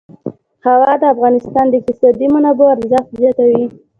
هوا د افغانستان د اقتصادي منابعو ارزښت زیاتوي.